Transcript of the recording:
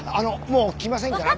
もう来ませんから。